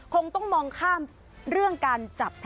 คงต้องมองข้ามเรื่องการจับปลอดภัย